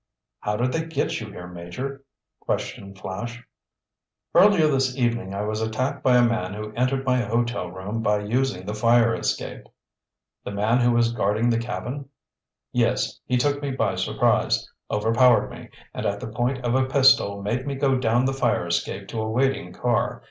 "How did they get you here, Major?" questioned Flash. "Earlier this evening I was attacked by a man who entered my hotel room by using the fire escape." "The man who was guarding the cabin?" "Yes, he took me by surprise, overpowered me, and at the point of a pistol made me go down the fire escape to a waiting car.